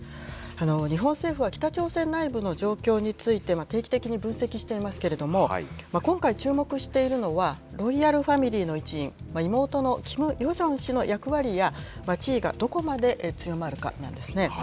日本政府は北朝鮮内部の状況について、定期的に分析していますけれども、今回注目しているのは、ロイヤルファミリーの一員、妹のキム・ヨジョン氏の役割や、地位がどこまで強まるかなんですね。